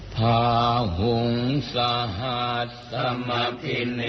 ภาหุงสหรรษมพินิมมิตรสาวุธันตัง